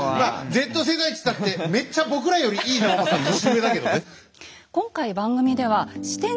Ｚ世代っつったってめっちゃ僕らより井伊直政年上だけどね。